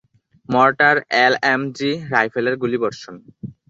Mortar, LMG, রাইফেলের গুলিবর্ষণ।